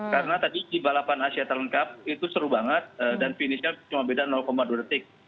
karena tadi di balapan asia talent cup itu seru banget dan finishnya cuma beda dua detik